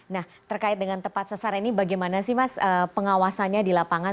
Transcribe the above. nah terkait dengan tepat sasaran ini bagaimana sih mas pengawasannya di lapangan